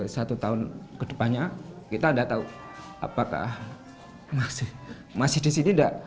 satu tahun ke depannya kita tidak tahu apakah masih di sini tidak